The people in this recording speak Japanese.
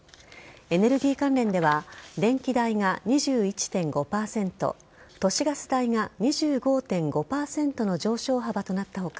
エネルギー関連では電気代が２１．５％都市ガス代が２５．５％の上昇幅となった他